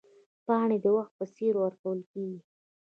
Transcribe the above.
پاڼې د وخت په څېر ورکېږي